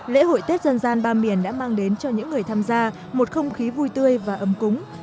lễ hội tết dân gian ba miền đã mang đến cho những người tham gia một không khí vui tươi và ấm cúng